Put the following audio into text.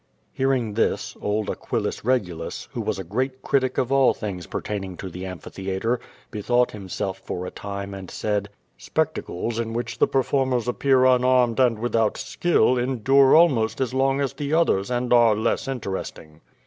Hearing this, old Aquilus Regulus, who was a great critic of all things pertaining to the amphitheatre, bethought him self for a time, and said: "Spectacles in which the performers appear unarmed and without skill endure almost as long as the others and are less interesting."